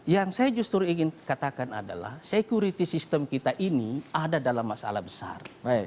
yang saya justru ingin katakan adalah security system kita ini ada dalam masalah besar